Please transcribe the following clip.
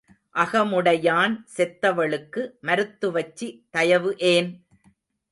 அகமுடையான் செத்தவளுக்கு மருத்துவச்சி தயவு ஏன்?